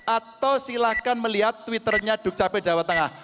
atau silahkan melihat twitternya dukcapil jawa tengah